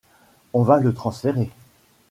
On va le transférer!